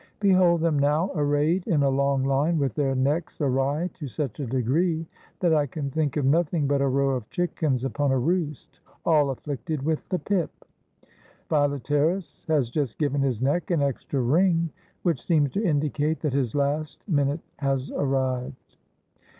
Behold them now arrayed in a long Hne, with their necks awry to such a degree that I can think of nothing but a row of chickens upon a roost, all afflicted with the pip. Philetaerus has just given his neck an extra wring, which seems to indicate that his last minute has arrived."